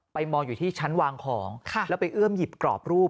มองอยู่ที่ชั้นวางของแล้วไปเอื้อมหยิบกรอบรูป